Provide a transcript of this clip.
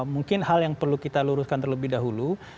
mungkin hal yang perlu kita luruskan terlebih dahulu